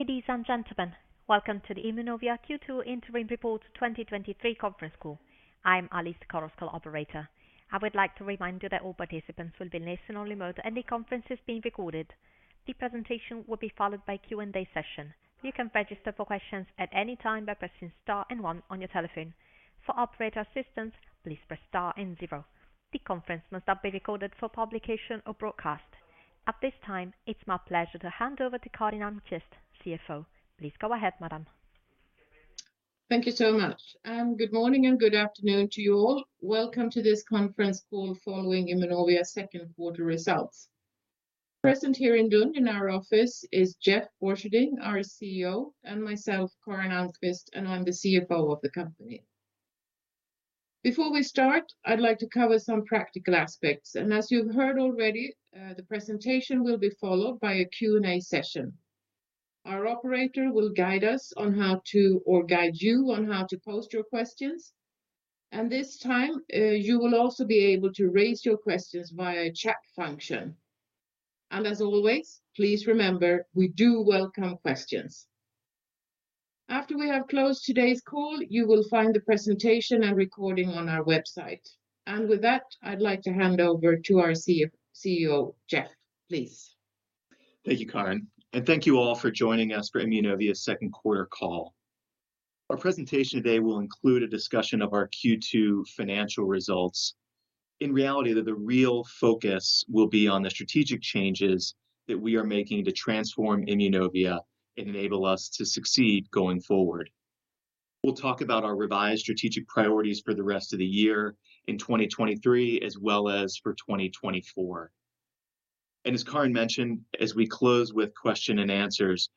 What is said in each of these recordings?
Ladies and gentlemen, welcome to the Immunovia Q2 Interim Report 2023 conference call. I'm Alice, the call operator. I would like to remind you that all participants will be in listen-only mode, and the conference is being recorded. The presentation will be followed by a Q&A session. You can register for questions at any time by pressing star and one on your telephone. For operator assistance, please press star and zero. The conference must not be recorded for publication or broadcast. At this time, it's my pleasure to hand over to Karin Almqvist, CFO. Please go ahead, madam. Thank you so much, and good morning and good afternoon to you all. Welcome to this conference call following Immunovia's second quarter results. Present here in Lund, in our office, is Jeff Borcherding, our CEO, and myself, Karin Almqvist, and I'm the CFO of the company. Before we start, I'd like to cover some practical aspects, and as you've heard already, the presentation will be followed by a Q&A session. Our operator will guide us on how to, or guide you on how to pose your questions, and this time, you will also be able to raise your questions via chat function. And as always, please remember, we do welcome questions. After we have closed today's call, you will find the presentation and recording on our website. And with that, I'd like to hand over to our CEO, Jeff. Please. Thank you, Karin, and thank you all for joining us for Immunovia's second quarter call. Our presentation today will include a discussion of our Q2 financial results. In reality, though, the real focus will be on the strategic changes that we are making to transform Immunovia and enable us to succeed going forward. We'll talk about our revised strategic priorities for the rest of the year in 2023, as well as for 2024. As Karin mentioned, as we close with question and answers,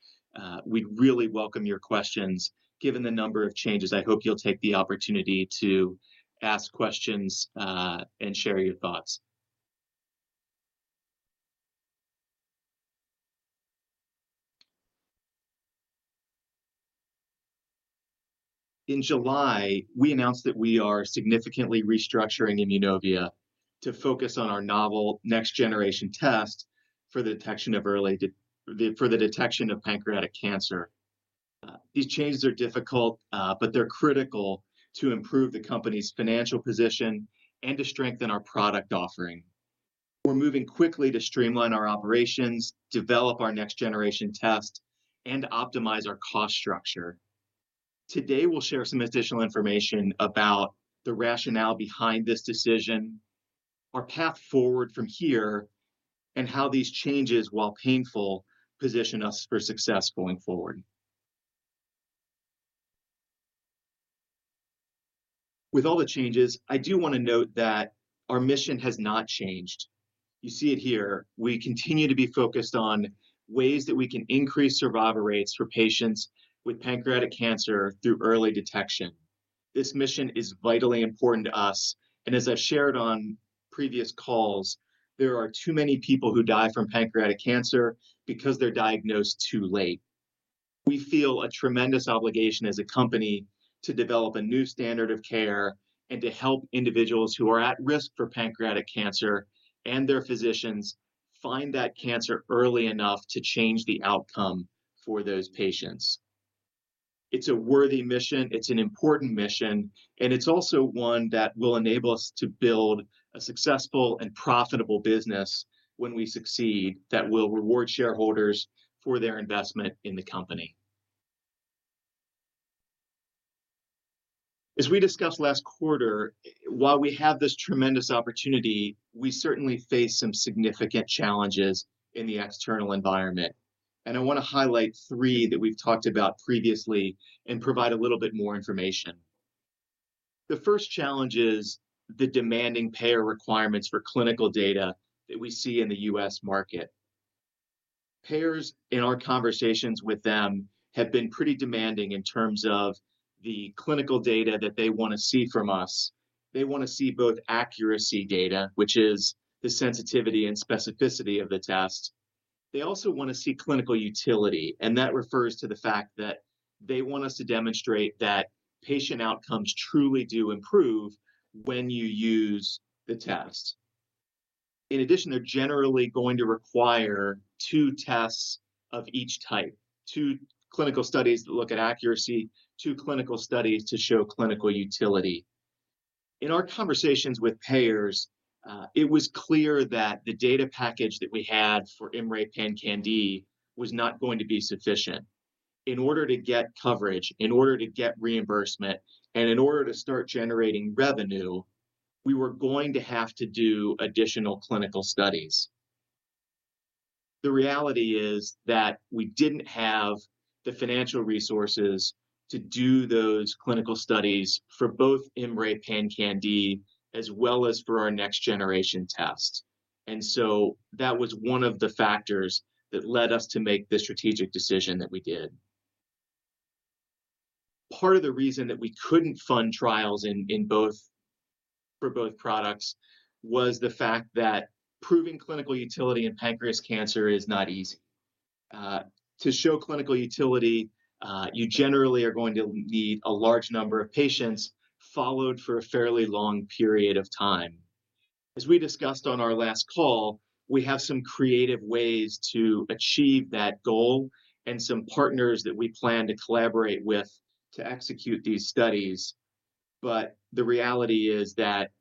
we really welcome your questions. Given the number of changes, I hope you'll take the opportunity to ask questions, and share your thoughts. In July, we announced that we are significantly restructuring Immunovia to focus on our novel next-generation test for the detection of early pancreatic cancer. These changes are difficult, but they're critical to improve the company's financial position and to strengthen our product offering. We're moving quickly to streamline our operations, develop our next-generation test, and optimize our cost structure. Today, we'll share some additional information about the rationale behind this decision, our path forward from here, and how these changes, while painful, position us for success going forward. With all the changes, I do want to note that our mission has not changed. You see it here. We continue to be focused on ways that we can increase survival rates for patients with pancreatic cancer through early detection. This mission is vitally important to us, and as I've shared on previous calls, there are too many people who die from pancreatic cancer because they're diagnosed too late. We feel a tremendous obligation as a company to develop a new standard of care and to help individuals who are at risk for pancreatic cancer, and their physicians, find that cancer early enough to change the outcome for those patients. It's a worthy mission, it's an important mission, and it's also one that will enable us to build a successful and profitable business when we succeed, that will reward shareholders for their investment in the company. As we discussed last quarter, while we have this tremendous opportunity, we certainly face some significant challenges in the external environment, and I want to highlight three that we've talked about previously and provide a little bit more information. The first challenge is the demanding payer requirements for clinical data that we see in the US market. Payers, in our conversations with them, have been pretty demanding in terms of the clinical data that they want to see from us. They want to see both accuracy data, which is the sensitivity and specificity of the test. They also want to see clinical utility, and that refers to the fact that they want us to demonstrate that patient outcomes truly do improve when you use the test. In addition, they're generally going to require two tests of each type, two clinical studies that look at accuracy, two clinical studies to show clinical utility. In our conversations with payers, it was clear that the data package that we had for IMMray PanCan-d was not going to be sufficient. In order to get coverage, in order to get reimbursement, and in order to start generating revenue, we were going to have to do additional clinical studies. The reality is that we didn't have the financial resources to do those clinical studies for both IMMray PanCan-d as well as for our next-generation test, and so that was one of the factors that led us to make the strategic decision that we did. Part of the reason that we couldn't fund trials for both products was the fact that proving clinical utility in pancreas cancer is not easy. To show clinical utility, you generally are going to need a large number of patients followed for a fairly long period of time... As we discussed on our last call, we have some creative ways to achieve that goal and some partners that we plan to collaborate with to execute these studies. But the reality is that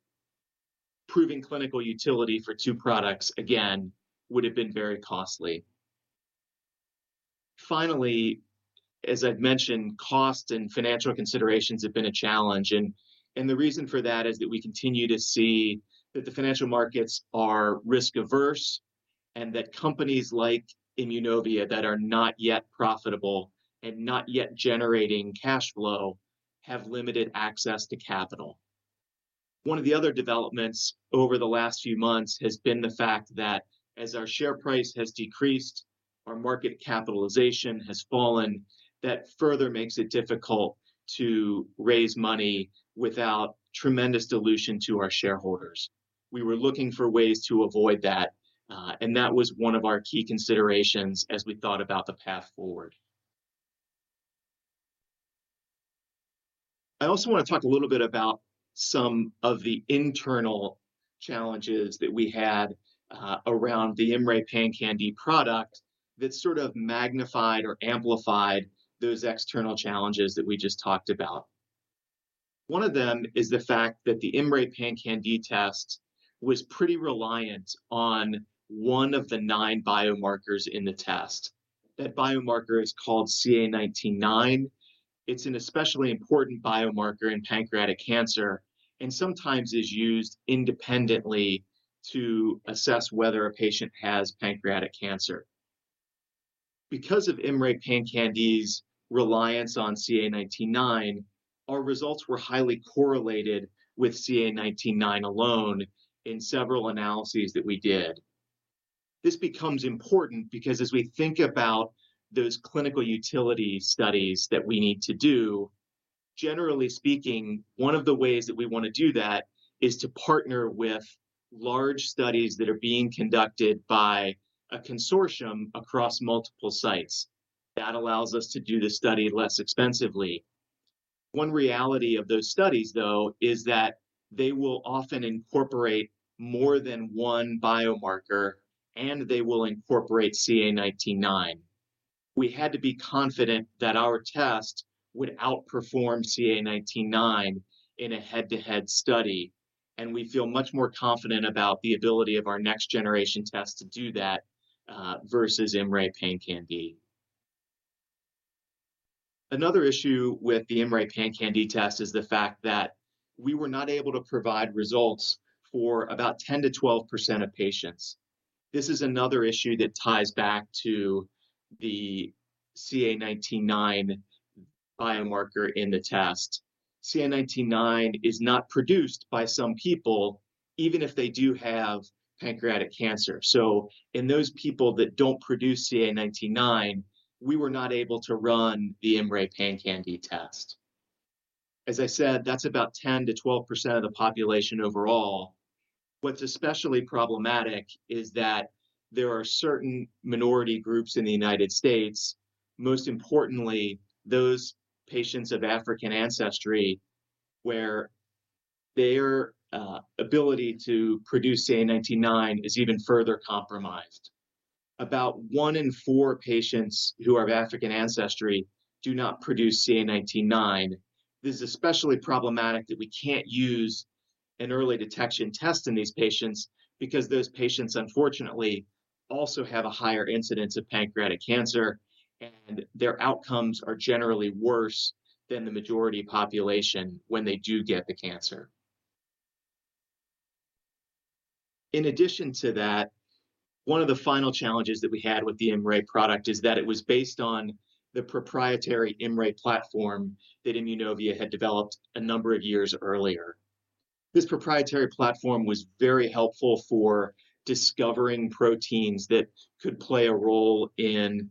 proving clinical utility for two products, again, would have been very costly. Finally, as I've mentioned, cost and financial considerations have been a challenge, and the reason for that is that we continue to see that the financial markets are risk-averse, and that companies like Immunovia that are not yet profitable and not yet generating cash flow have limited access to capital. One of the other developments over the last few months has been the fact that as our share price has decreased, our market capitalization has fallen. That further makes it difficult to raise money without tremendous dilution to our shareholders. We were looking for ways to avoid that, and that was one of our key considerations as we thought about the path forward. I also want to talk a little bit about some of the internal challenges that we had around the IMMray PanCan-d product that sort of magnified or amplified those external challenges that we just talked about. One of them is the fact that the IMMray PanCan-d test was pretty reliant on one of the nine biomarkers in the test. That biomarker is called CA19-9. It's an especially important biomarker in pancreatic cancer and sometimes is used independently to assess whether a patient has pancreatic cancer. Because of IMMray PanCan-d's reliance on CA19-9, our results were highly correlated with CA19-9 alone in several analyses that we did. This becomes important because as we think about those clinical utility studies that we need to do, generally speaking, one of the ways that we want to do that is to partner with large studies that are being conducted by a consortium across multiple sites. That allows us to do the study less expensively. One reality of those studies, though, is that they will often incorporate more than one biomarker, and they will incorporate CA19-9. We had to be confident that our test would outperform CA19-9 in a head-to-head study, and we feel much more confident about the ability of our next-generation test to do that, versus IMMray PanCan-d. Another issue with the IMMray PanCan-d test is the fact that we were not able to provide results for about 10%-12% of patients. This is another issue that ties back to the CA19-9 biomarker in the test. CA19-9 is not produced by some people, even if they do have pancreatic cancer. So in those people that don't produce CA19-9, we were not able to run the IMMray PanCan-d test. As I said, that's about 10%-12% of the population overall. What's especially problematic is that there are certain minority groups in the United States, most importantly, those patients of African ancestry, where their ability to produce CA19-9 is even further compromised. About one in four patients who are of African ancestry do not produce CA19-9. This is especially problematic that we can't use an early detection test in these patients because those patients, unfortunately, also have a higher incidence of pancreatic cancer, and their outcomes are generally worse than the majority population when they do get the cancer. In addition to that, one of the final challenges that we had with the IMMray product is that it was based on the proprietary IMMray platform that Immunovia had developed a number of years earlier. This proprietary platform was very helpful for discovering proteins that could play a role in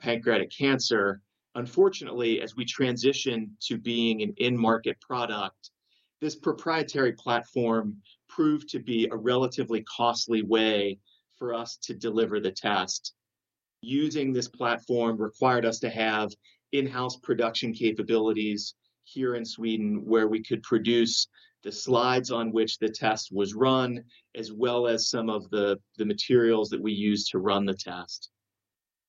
pancreatic cancer. Unfortunately, as we transition to being an end-market product, this proprietary platform proved to be a relatively costly way for us to deliver the test. Using this platform required us to have in-house production capabilities here in Sweden, where we could produce the slides on which the test was run, as well as some of the materials that we use to run the test.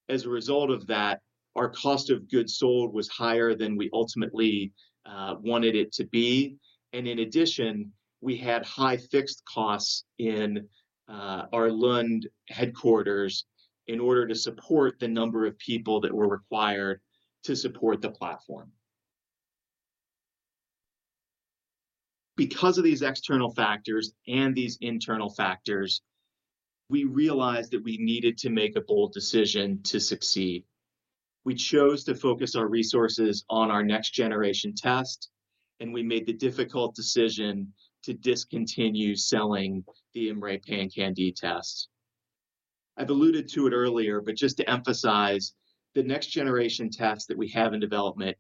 As a result of that, our cost of goods sold was higher than we ultimately wanted it to be, and in addition, we had high fixed costs in our Lund headquarters in order to support the number of people that were required to support the platform. Because of these external factors and these internal factors, we realized that we needed to make a bold decision to succeed. We chose to focus our resources on our next-generation test, and we made the difficult decision to discontinue selling the IMMray PanCan-d test. I've alluded to it earlier, but just to emphasize, the next-generation test that we have in development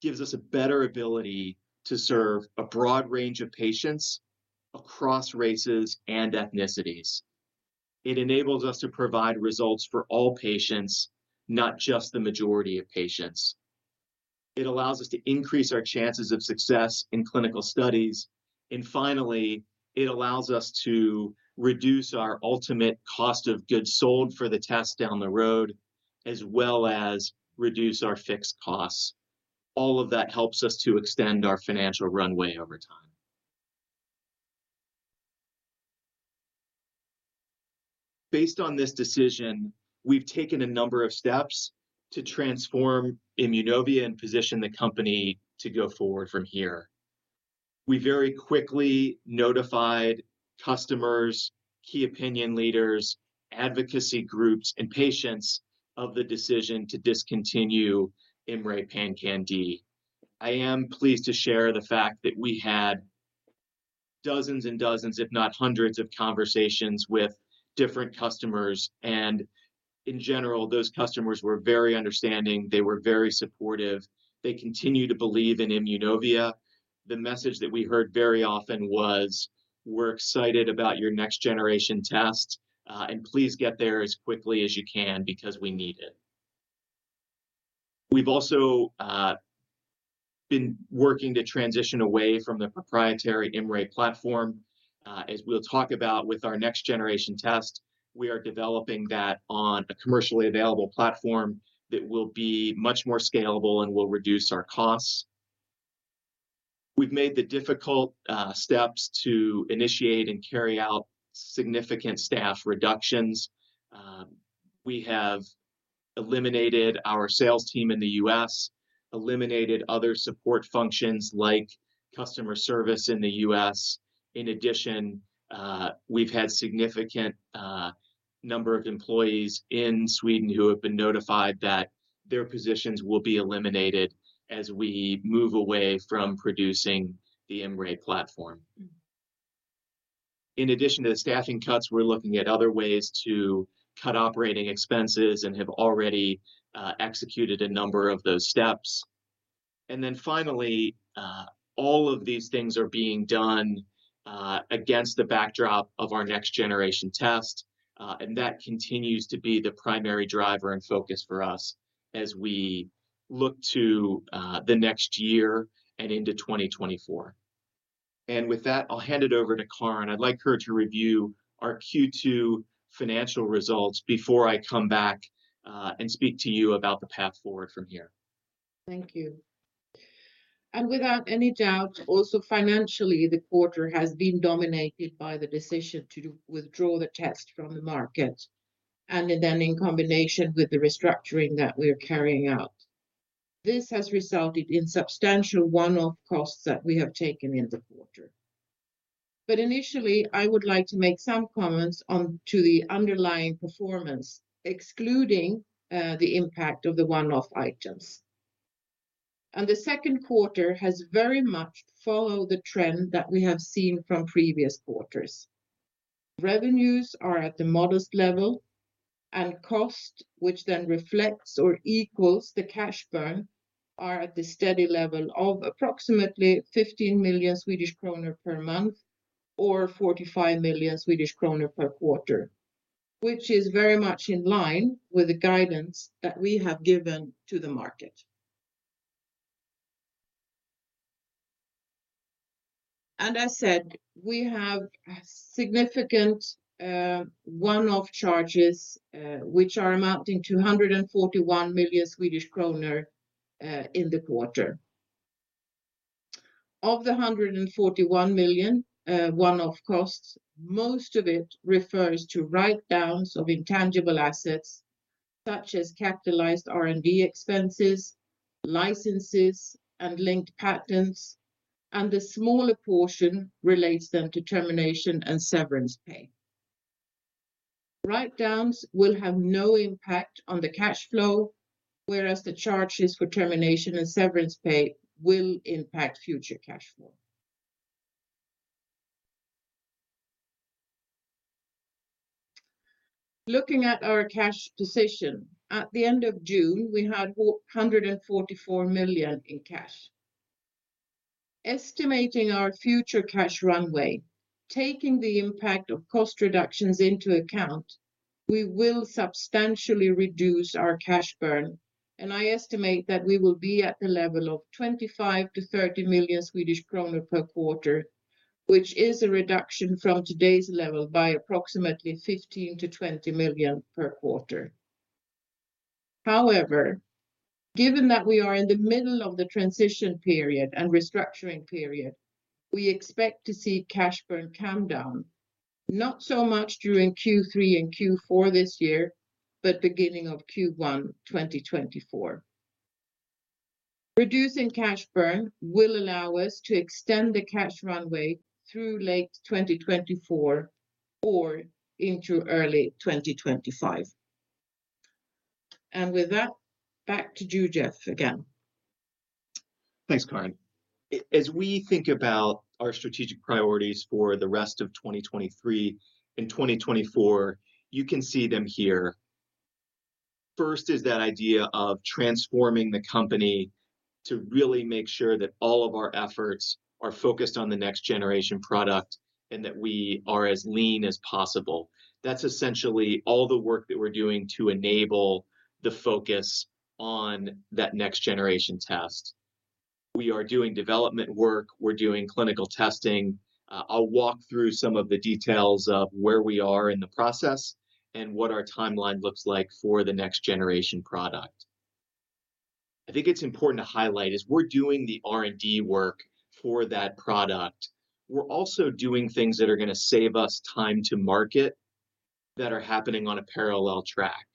gives us a better ability to serve a broad range of patients across races and ethnicities. It enables us to provide results for all patients, not just the majority of patients.... It allows us to increase our chances of success in clinical studies, and finally, it allows us to reduce our ultimate cost of goods sold for the test down the road, as well as reduce our fixed costs. All of that helps us to extend our financial runway over time. Based on this decision, we've taken a number of steps to transform Immunovia and position the company to go forward from here. We very quickly notified customers, key opinion leaders, advocacy groups, and patients of the decision to discontinue IMMray PanCan-d. I am pleased to share the fact that we had dozens and dozens, if not hundreds, of conversations with different customers, and in general, those customers were very understanding. They were very supportive. They continue to believe in Immunovia. The message that we heard very often was, "We're excited about your next-generation test, and please get there as quickly as you can because we need it." We've also been working to transition away from the proprietary IMMray platform. As we'll talk about with our next-generation test, we are developing that on a commercially available platform that will be much more scalable and will reduce our costs. We've made the difficult steps to initiate and carry out significant staff reductions. We have eliminated our sales team in the U.S., eliminated other support functions, like customer service in the U.S. In addition, we've had significant number of employees in Sweden who have been notified that their positions will be eliminated as we move away from producing the IMMray platform. In addition to the staffing cuts, we're looking at other ways to cut operating expenses and have already executed a number of those steps. Then finally, all of these things are being done against the backdrop of our next-generation test, and that continues to be the primary driver and focus for us as we look to the next year and into 2024. With that, I'll hand it over to Karin. I'd like her to review our Q2 financial results before I come back and speak to you about the path forward from here. Thank you. Without any doubt, also financially, the quarter has been dominated by the decision to withdraw the test from the market, and then in combination with the restructuring that we're carrying out. This has resulted in substantial one-off costs that we have taken in the quarter. Initially, I would like to make some comments on to the underlying performance, excluding the impact of the one-off items. The second quarter has very much followed the trend that we have seen from previous quarters. Revenues are at the modest level, and cost, which then reflects or equals the cash burn, are at the steady level of approximately 15 million Swedish kronor per month, or 45 million Swedish kronor per quarter, which is very much in line with the guidance that we have given to the market. And I said, we have significant one-off charges which are amounting to 141 million Swedish kronor in the quarter. Of the 141 million one-off costs, most of it refers to write-downs of intangible assets, such as capitalized R&D expenses, licenses, and linked patents, and a smaller portion relates then to termination and severance pay. Write-downs will have no impact on the cash flow, whereas the charges for termination and severance pay will impact future cash flow. Looking at our cash position, at the end of June, we had 444 million in cash. Estimating our future cash runway, taking the impact of cost reductions into account, we will substantially reduce our cash burn, and I estimate that we will be at the level of 25 million-30 million Swedish kronor per quarter, which is a reduction from today's level by approximately 15-20 million per quarter. However, given that we are in the middle of the transition period and restructuring period, we expect to see cash burn come down, not so much during Q3 and Q4 this year, but beginning of Q1 2024. Reducing cash burn will allow us to extend the cash runway through late 2024 or into early 2025. And with that, back to you, Jeff, again. Thanks, Karin. As we think about our strategic priorities for the rest of 2023 and 2024, you can see them here. First is that idea of transforming the company to really make sure that all of our efforts are focused on the next-generation product and that we are as lean as possible. That's essentially all the work that we're doing to enable the focus on that next-generation test.... We are doing development work, we're doing clinical testing. I'll walk through some of the details of where we are in the process and what our timeline looks like for the next generation product. I think it's important to highlight, as we're doing the R&D work for that product, we're also doing things that are gonna save us time to market that are happening on a parallel track.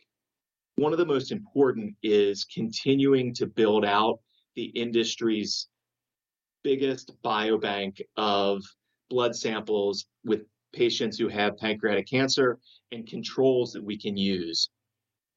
One of the most important is continuing to build out the industry's biggest biobank of blood samples with patients who have pancreatic cancer and controls that we can use.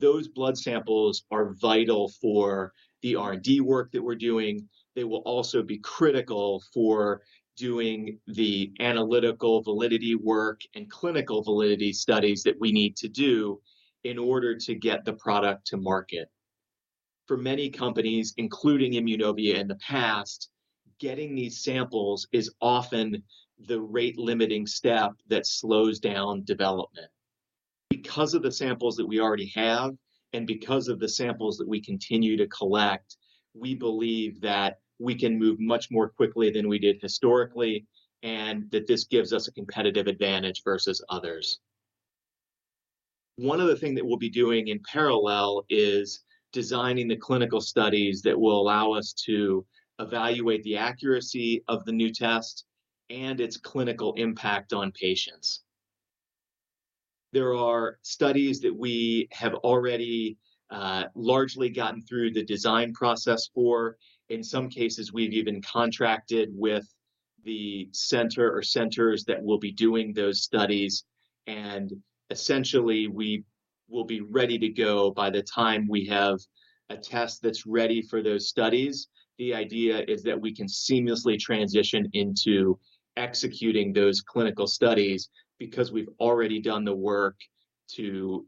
Those blood samples are vital for the R&D work that we're doing. They will also be critical for doing the analytical validity work and clinical validity studies that we need to do in order to get the product to market. For many companies, including Immunovia in the past, getting these samples is often the rate-limiting step that slows down development. Because of the samples that we already have, and because of the samples that we continue to collect, we believe that we can move much more quickly than we did historically, and that this gives us a competitive advantage versus others. One other thing that we'll be doing in parallel is designing the clinical studies that will allow us to evaluate the accuracy of the new test and its clinical impact on patients. There are studies that we have already largely gotten through the design process for. In some cases, we've even contracted with the center or centers that will be doing those studies, and essentially, we will be ready to go by the time we have a test that's ready for those studies. The idea is that we can seamlessly transition into executing those clinical studies, because we've already done the work to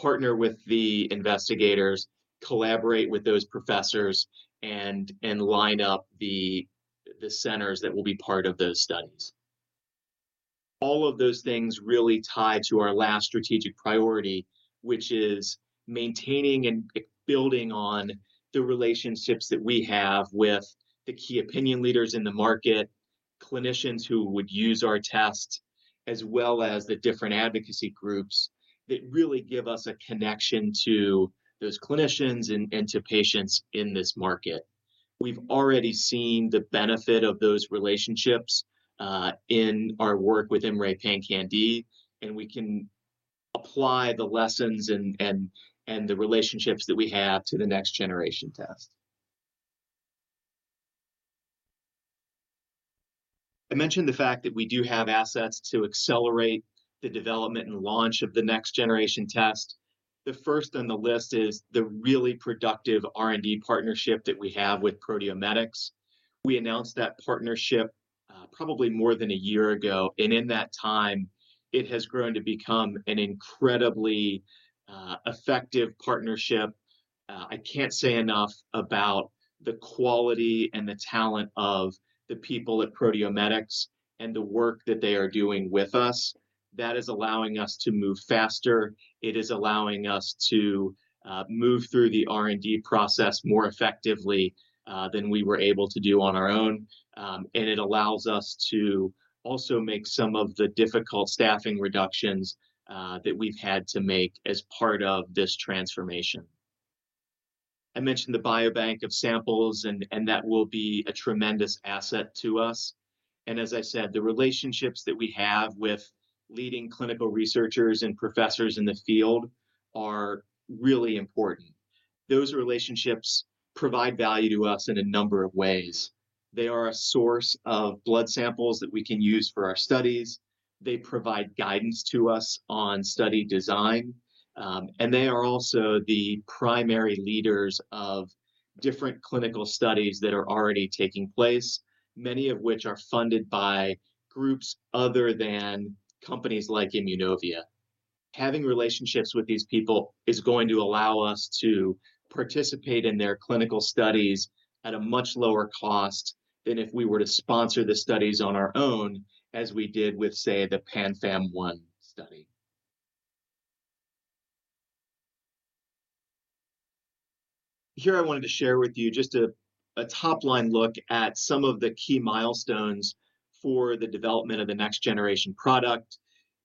partner with the investigators, collaborate with those professors and line up the centers that will be part of those studies. All of those things really tie to our last strategic priority, which is maintaining and building on the relationships that we have with the key opinion leaders in the market, clinicians who would use our test, as well as the different advocacy groups that really give us a connection to those clinicians and to patients in this market. We've already seen the benefit of those relationships in our work with IMMray PanCan-d, and we can apply the lessons and the relationships that we have to the next generation test. I mentioned the fact that we do have assets to accelerate the development and launch of the next generation test. The first on the list is the really productive R&D partnership that we have with Proteomedix. We announced that partnership, probably more than a year ago, and in that time, it has grown to become an incredibly, effective partnership. I can't say enough about the quality and the talent of the people at Proteomedix and the work that they are doing with us. That is allowing us to move faster, it is allowing us to, move through the R&D process more effectively, than we were able to do on our own, and it allows us to also make some of the difficult staffing reductions, that we've had to make as part of this transformation. I mentioned the biobank of samples, and that will be a tremendous asset to us. And as I said, the relationships that we have with leading clinical researchers and professors in the field are really important. Those relationships provide value to us in a number of ways. They are a source of blood samples that we can use for our studies, they provide guidance to us on study design, and they are also the primary leaders of different clinical studies that are already taking place, many of which are funded by groups other than companies like Immunovia. Having relationships with these people is going to allow us to participate in their clinical studies at a much lower cost than if we were to sponsor the studies on our own, as we did with, say, the PanFAM-1 study. Here, I wanted to share with you just a top-line look at some of the key milestones for the development of the next generation product.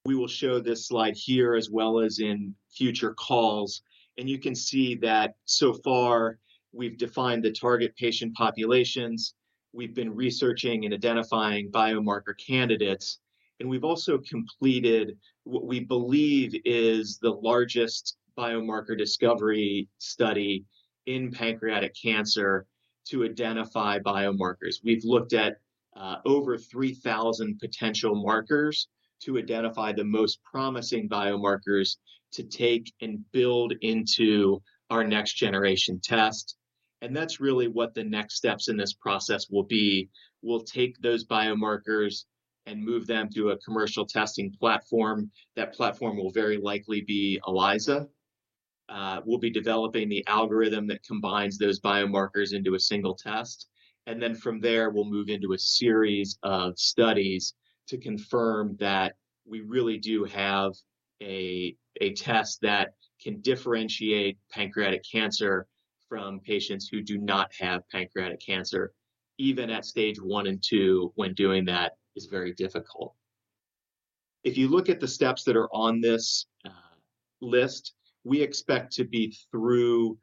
We will show this slide here as well as in future calls, and you can see that so far, we've defined the target patient populations, we've been researching and identifying biomarker candidates, and we've also completed what we believe is the largest biomarker discovery study in pancreatic cancer to identify biomarkers. We've looked at over 3,000 potential markers to identify the most promising biomarkers to take and build into our next generation test, and that's really what the next steps in this process will be. We'll take those biomarkers and move them to a commercial testing platform. That platform will very likely be ELISA. We'll be developing the algorithm that combines those biomarkers into a single test, and then from there, we'll move into a series of studies to confirm that-... We really do have a test that can differentiate pancreatic cancer from patients who do not have pancreatic cancer, even at stage one and two, when doing that is very difficult. If you look at the steps that are on this list, we expect to be through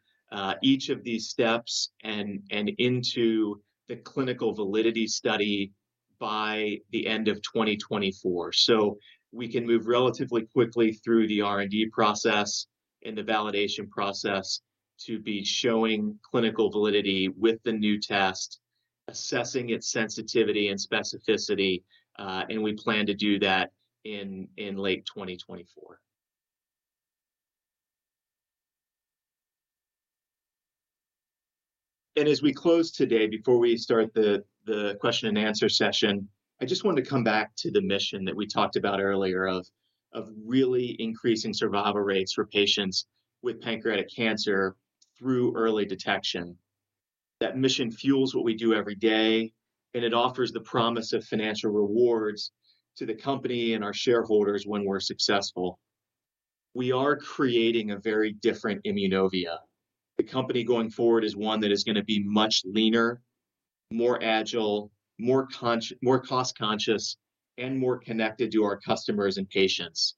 each of these steps and into the clinical validity study by the end of 2024. So we can move relatively quickly through the R&D process and the validation process to be showing clinical validity with the new test, assessing its sensitivity and specificity, and we plan to do that in late 2024. And as we close today, before we start the question and answer session, I just want to come back to the mission that we talked about earlier of really increasing survival rates for patients with pancreatic cancer through early detection. That mission fuels what we do every day, and it offers the promise of financial rewards to the company and our shareholders when we're successful. We are creating a very different Immunovia. The company going forward is one that is gonna be much leaner, more agile, more cost-conscious, and more connected to our customers and patients.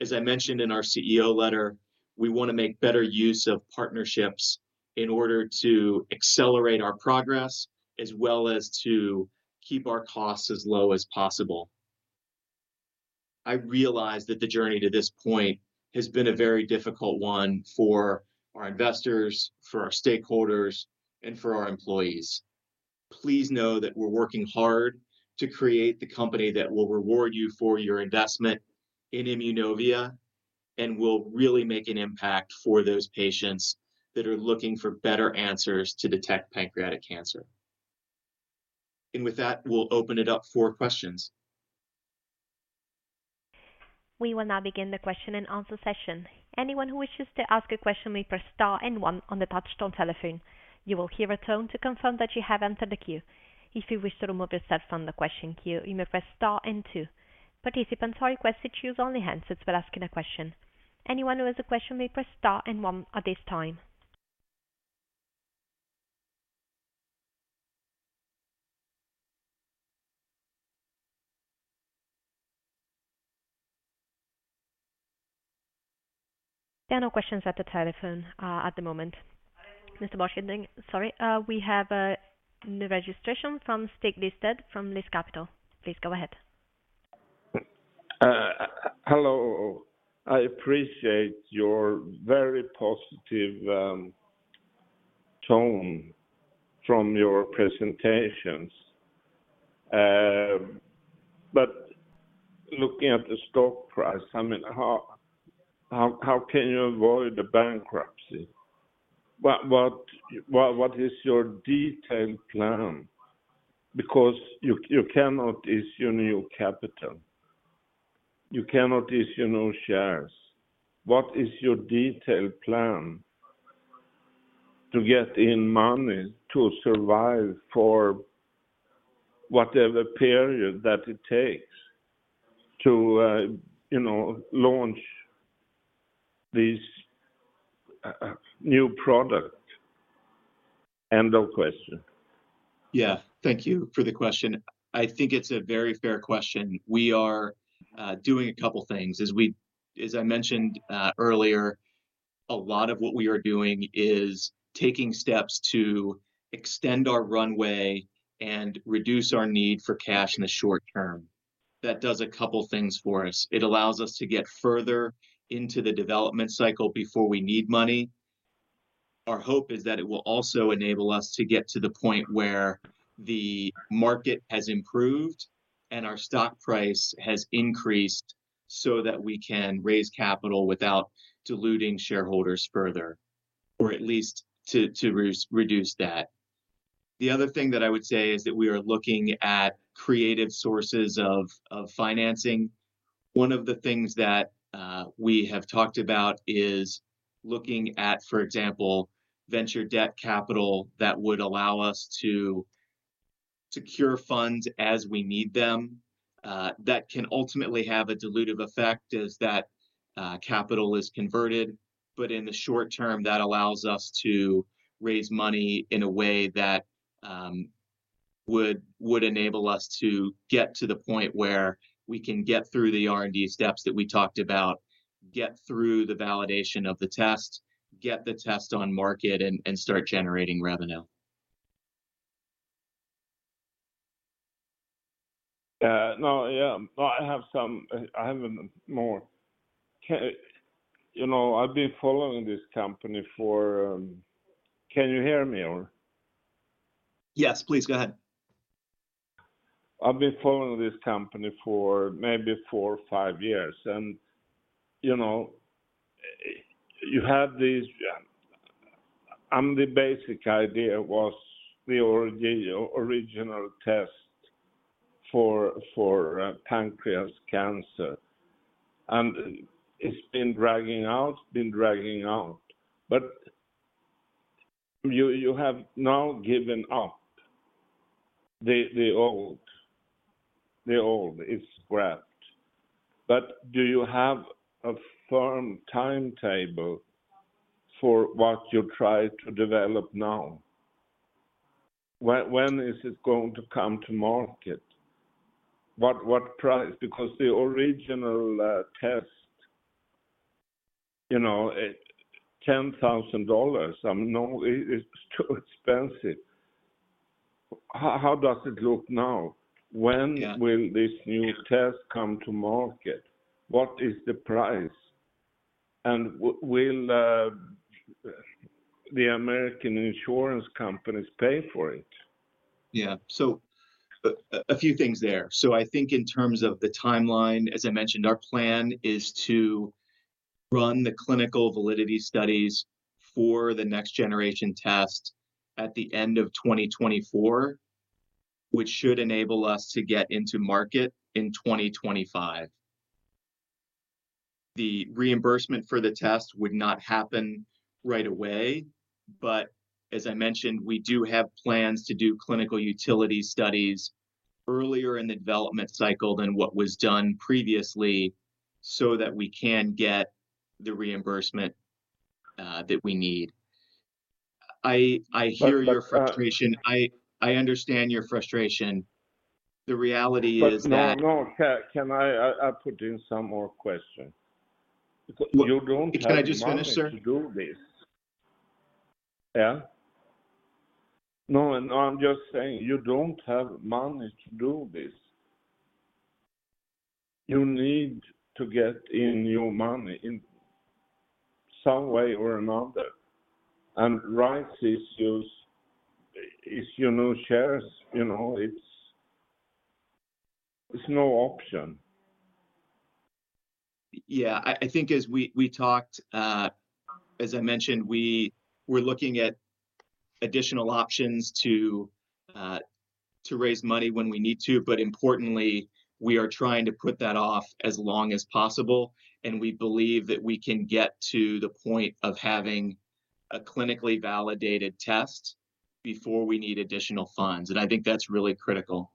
As I mentioned in our CEO letter, we wanna make better use of partnerships in order to accelerate our progress, as well as to keep our costs as low as possible. I realize that the journey to this point has been a very difficult one for our investors, for our stakeholders, and for our employees. Please know that we're working hard to create the company that will reward you for your investment in Immunovia, and will really make an impact for those patients that are looking for better answers to detect pancreatic cancer. With that, we'll open it up for questions. We will now begin the question and answer session. Anyone who wishes to ask a question may press star and one on the touchtone telephone. You will hear a tone to confirm that you have entered the queue. If you wish to remove yourself from the question queue, you may press star and two. Participants are requested to use only answers when asking a question. Anyone who has a question may press star and one at this time. There are no questions at the telephone at the moment. Mr. Bosch, sorry, we have a new registration from Stig Listad from List Capital. Please go ahead. Hello. I appreciate your very positive tone from your presentations. But looking at the stock price, I mean, how can you avoid the bankruptcy? What is your detailed plan? Because you cannot issue new capital. You cannot issue new shares. What is your detailed plan to get in money to survive for whatever period that it takes to, you know, launch these new product? End of question. Yeah. Thank you for the question. I think it's a very fair question. We are doing a couple things. As I mentioned earlier, a lot of what we are doing is taking steps to extend our runway and reduce our need for cash in the short term. That does a couple things for us. It allows us to get further into the development cycle before we need money. Our hope is that it will also enable us to get to the point where the market has improved and our stock price has increased, so that we can raise capital without diluting shareholders further, or at least to reduce that. The other thing that I would say is that we are looking at creative sources of financing. One of the things that we have talked about is looking at, for example, venture debt capital, that would allow us to secure funds as we need them. That can ultimately have a dilutive effect, as that capital is converted, but in the short term, that allows us to raise money in a way that would enable us to get to the point where we can get through the R&D steps that we talked about, get through the validation of the test, get the test on market, and start generating revenue. No, yeah. No, I have a more... You know, I've been following this company for... Can you hear me, or? Yes, please go ahead. I've been following this company for maybe four or five years, and, you know, you have these. And the basic idea was the original test for pancreas cancer, and it's been dragging out, been dragging out. But you have now given up the old, the old is scrapped. But do you have a firm timetable for what you try to develop now? When is it going to come to market? What price? Because the original test, you know, it $10,000, no, it, it's too expensive. How does it look now? Yeah. When will this new test come to market? What is the price? Will the American insurance companies pay for it? Yeah. So, a few things there. So I think in terms of the timeline, as I mentioned, our plan is to run the clinical validity studies for the next generation test at the end of 2024, which should enable us to get into market in 2025. The reimbursement for the test would not happen right away, but as I mentioned, we do have plans to do clinical utility studies earlier in the development cycle than what was done previously, so that we can get the reimbursement that we need. I hear- But, uh-... your frustration. I understand your frustration. The reality is that- But no, no. Can I put in some more question? Because you don't have- Can I just finish, sir? Money to do this. Yeah. No, no, I'm just saying, you don't have money to do this. You need to get in your money in some way or another, and rights issues, issue new shares, you know, it's, it's no option. Yeah. I think as we talked, as I mentioned, we're looking at additional options to raise money when we need to, but importantly, we are trying to put that off as long as possible, and we believe that we can get to the point of having a clinically validated test before we need additional funds, and I think that's really critical.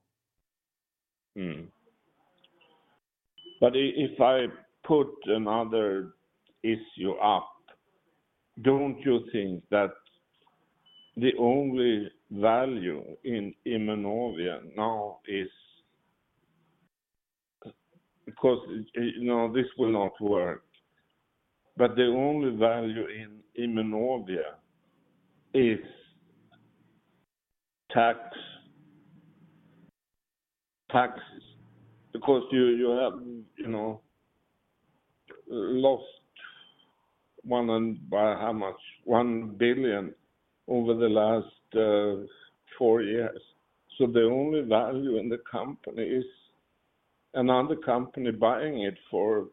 But if I put another issue up, don't you think that the only value in Immunovia now is... Because, you know, this will not work, but the only value in Immunovia is tax, taxes, because you have, you know, lost 1 billion and by how much? 1 billion over the last four years. So the only value in the company is another company buying it for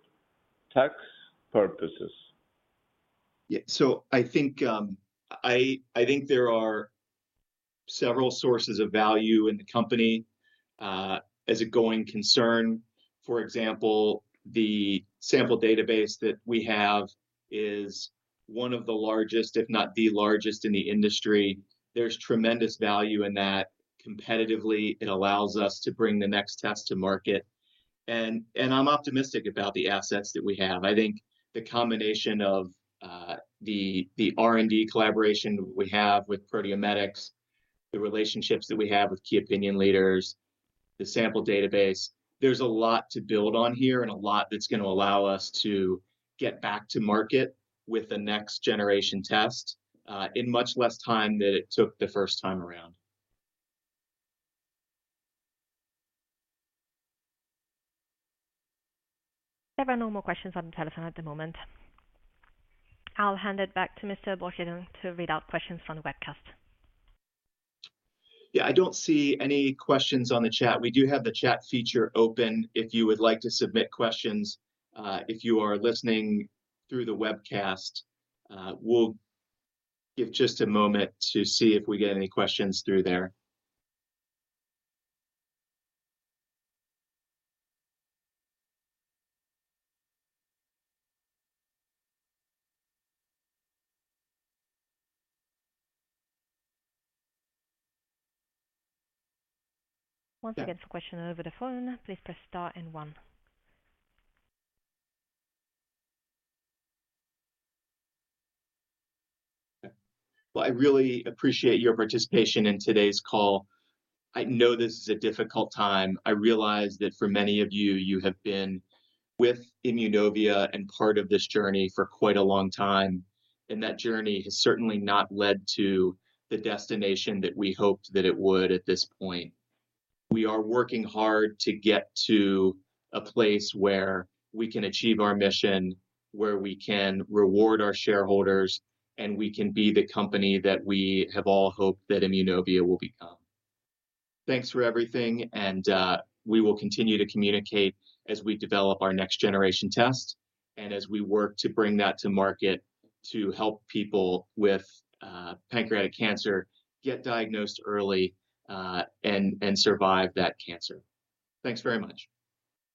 tax purposes. Yeah. So I think there are several sources of value in the company as a going concern. For example, the sample database that we have is one of the largest, if not the largest in the industry. There's tremendous value in that. Competitively, it allows us to bring the next test to market, and I'm optimistic about the assets that we have. I think the combination of the R&D collaboration we have with Proteomedix, the relationships that we have with key opinion leaders, the sample database, there's a lot to build on here and a lot that's gonna allow us to get back to market with the next generation test in much less time than it took the first time around. There are no more questions on the telephone at the moment. I'll hand it back to Mr. Borcherding to read out questions from the webcast. Yeah, I don't see any questions on the chat. We do have the chat feature open if you would like to submit questions, if you are listening through the webcast. We'll give just a moment to see if we get any questions through there. Once you get the question over the phone, please press star and one. Well, I really appreciate your participation in today's call. I know this is a difficult time. I realize that for many of you, you have been with Immunovia and part of this journey for quite a long time, and that journey has certainly not led to the destination that we hoped that it would at this point. We are working hard to get to a place where we can achieve our mission, where we can reward our shareholders, and we can be the company that we have all hoped that Immunovia will become. Thanks for everything, and we will continue to communicate as we develop our next generation test and as we work to bring that to market to help people with pancreatic cancer get diagnosed early, and survive that cancer. Thanks very much.